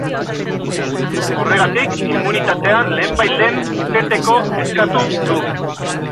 Horregatik, immunitatea lehenbailehen eteteko eskatu du.